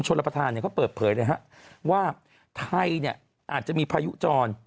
ชนรปฐานเนี่ยก็เปิดเผยนะฮะว่าไทยเนี่ยอาจจะมีพายุจ่อน